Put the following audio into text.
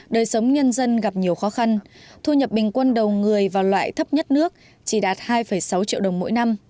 đời sống nhân dân gặp nhiều khó khăn thu nhập bình quân đầu người vào loại thấp nhất nước chỉ đạt hai sáu triệu đồng mỗi năm